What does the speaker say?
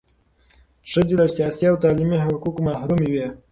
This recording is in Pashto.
ښځې له سیاسي او تعلیمي حقوقو محرومې وې.